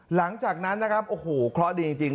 หลังจากนั้นนะครับโอ้โหเคราะห์ดีจริง